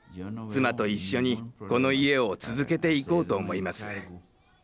妻と一緒にこの家を続けていこうと思います。